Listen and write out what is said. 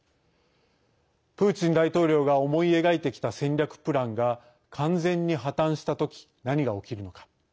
プーチン大統領が思い描いてきた戦略プランが完全に破綻した時何が起きるのか。